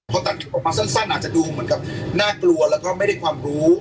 พอตัดคลิปออกมาสั้นอาจจะดูเหมือนกับน่ากลัวแล้วก็ไม่ได้ความรู้